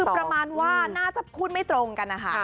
คือประมาณว่าน่าจะพูดไม่ตรงกันนะคะ